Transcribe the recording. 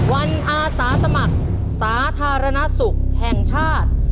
อาสาสมัครสาธารณสุขแห่งชาติ